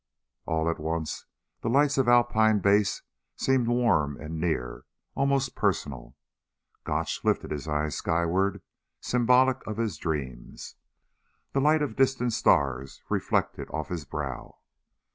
All at once the lights of Alpine Base seemed warm and near, almost personal. Gotch lifted his eyes skyward, symbolic of his dreams. The light of distant stars reflected off his brow.